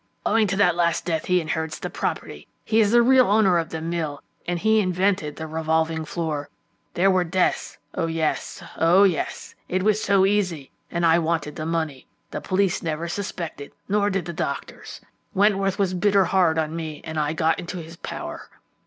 Owing to that last death he inherits the property. He is the real owner of the mill, and he invented the revolving floor. There were deaths oh yes, oh yes. It was so easy, and I wanted the money. The police never suspected, nor did the doctors. Wentworth was bitter hard on me, and I got into his power."